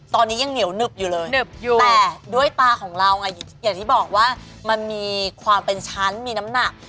ตอนนี้ยังเหนียวหนึบอยู่เลยหนึบอยู่แต่ด้วยตาของเราไงอย่างที่บอกว่ามันมีความเป็นชั้นมีน้ำหนัก